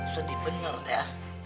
sedih bener dah